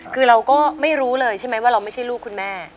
คือเราก็ไม่รู้เลยใช่ไหมว่าเราไม่ใช่ลูกคุณแม่